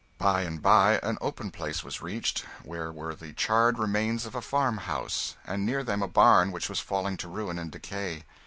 By and by an open place was reached, where were the charred remains of a farm house, and near them a barn which was falling to ruin and decay.